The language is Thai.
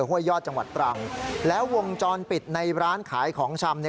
ห้วยยอดจังหวัดตรังแล้ววงจรปิดในร้านขายของชำเนี่ย